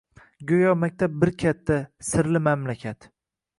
Go‘yo maktab bir katta, sirli mamlakat.